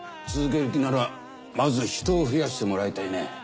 続ける気ならまず人を増やしてもらいたいね。